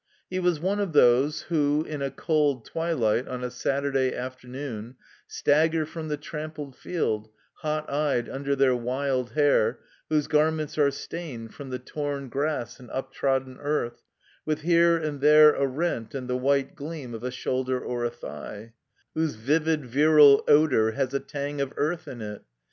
He was one of those who, in a cold twilight on a Saturday afternoon, stagger from the trampled field, hot eyed imder their wild hair, whose garments are stained from the torn grass and uptrodden earth, with here and there a rent and the white gleam of a shotdder or a thigh; whose vivid, virile odor has a tang of earth in it.